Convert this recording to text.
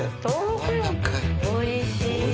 おいしい。